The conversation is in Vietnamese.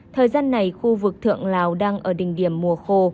thời gian này khu vực thượng lào đang ở đỉnh điểm mùa khô